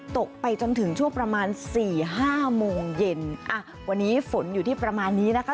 ตกไปจนถึงช่วงประมาณสี่ห้าโมงเย็นอ่ะวันนี้ฝนอยู่ที่ประมาณนี้นะคะ